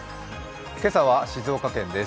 今朝は静岡県です。